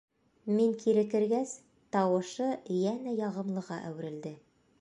Мин кире кергәс, тауышы йәнә яғымлыға әүерелде.